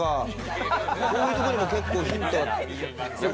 こういうところにも結構ヒントが。